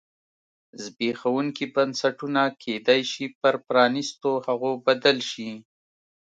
زبېښونکي بنسټونه کېدای شي پر پرانیستو هغو بدل شي.